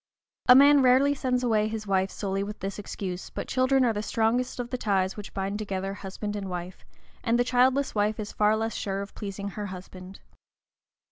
A man rarely sends away his wife solely with this excuse, but children are the strongest of the ties which bind together husband and wife, and the childless wife is far less sure of pleasing her husband.